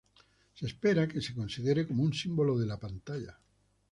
Se espera que se considere como un símbolo de la pantalla.